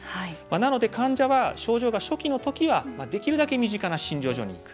なので患者は症状が初期の時はできるだけ身近な診療所に行く。